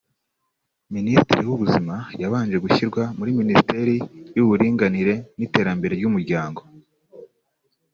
Minisitiri w’Ubuzima yabanje gushyirwa muri Minisiteri y’Uburinganire n’Iterambere ry’Umuryango